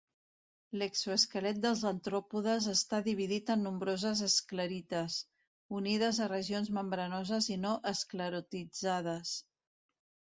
L'exoesquelet dels artròpodes està dividit en nombroses esclerites, unides a regions membranoses i no esclerotitzades.